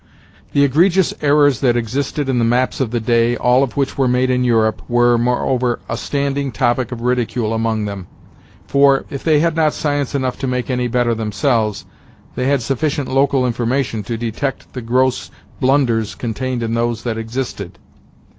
The egregious errors that existed in the maps of the day, all of which were made in Europe, were, moreover, a standing topic of ridicule among them; for, if they had not science enough to make any better themselves, they had sufficient local information to detect the gross blunders contained in those that existed.